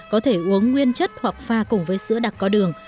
có thể uống nguyên chất hoặc pha cùng với sữa đặc có đường